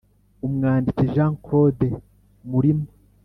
Umwanditsi Jean Claude Murima